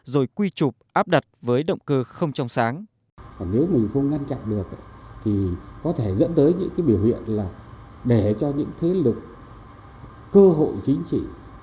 còn nếu mình không ngăn chặn được thì có thể dẫn tới những cái biểu hiện là để cho những thế lực cơ hội chính trị